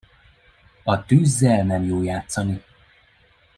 A tűzzel nem jó játszani.